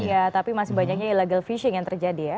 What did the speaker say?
iya tapi masih banyaknya illegal fishing yang terjadi ya